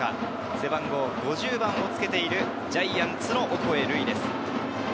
背番号５０番をつけているジャイアンツのオコエ瑠偉です。